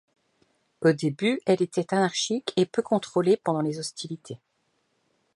Au début, elle était anarchique et peu contrôlée pendant les hostilités.